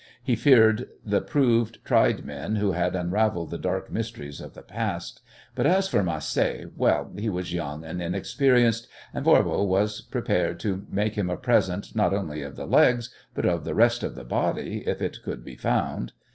He feared the proved, tried men who had unravelled the dark mysteries of the past. But as for Macé, well, he was young and inexperienced, and Voirbo was prepared to make him a present not only of the legs, but of the rest of the body, if it could be found.